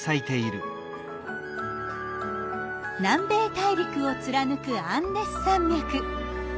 南米大陸を貫くアンデス山脈。